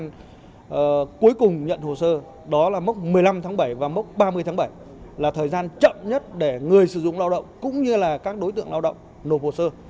thời gian cuối cùng nhận hồ sơ đó là mốc một mươi năm tháng bảy và mốc ba mươi tháng bảy là thời gian chậm nhất để người sử dụng lao động cũng như là các đối tượng lao động nộp hồ sơ